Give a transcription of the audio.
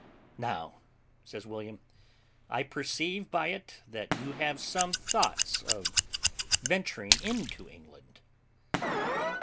"Now," says William, "I perceive by it that you have some thoughts of venturing into England."